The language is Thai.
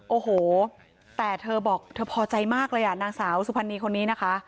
โอ้โหแต่เธอบอกเธอพอใจมากเลยอ่ะนางสาวสุพรรณีคนนี้นะคะ